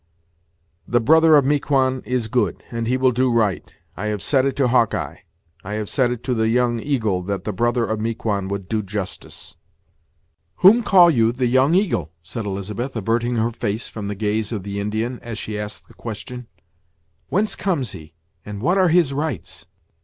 "The brother of Miquon is good, and he will do right. I have said it to Hawk eye I have said it to the Young Eagle that the brother of Miquon would do justice." "Whom call you the Young Eagle?" said Elizabeth, averting her face from the gaze of the Indian, as she asked the question; "whence comes he, and what are his rights?"